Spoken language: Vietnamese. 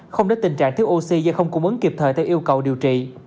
không để tình trạng thiếu oxy do không cung ứng kịp thời theo yêu cầu điều trị